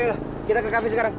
yaudah yuk kita ke kafe sekarang